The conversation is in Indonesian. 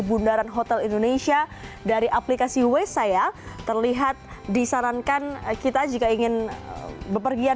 bundaran hotel indonesia dari aplikasi waze saya terlihat disarankan kita jika ingin bepergian